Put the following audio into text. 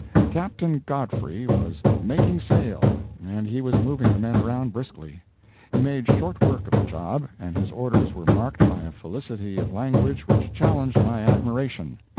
Captain Godfrey was "making sail," and he was moving the men around briskly. He made short work of the job, and his orders were marked by a felicity of language which challenged my admiration.